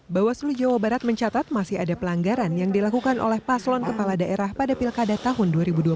bawaslu jawa barat mencatat masih ada pelanggaran yang dilakukan oleh paslon kepala daerah pada pilkada tahun dua ribu dua puluh